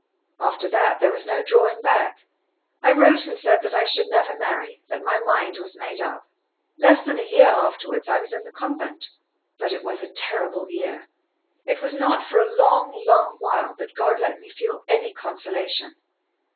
After that, there was no drawing back. I wrote and said that I should never marry that my mind was made up. Less than a year afterwards I was in the convent. But it was a terrible year. It was not for a long, long while that God let me feel any consolation.